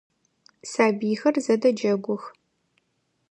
Сабыйхэр зэдэджэгух.